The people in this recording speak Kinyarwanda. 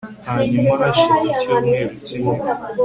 hanyuma hashize icyumweru kimwe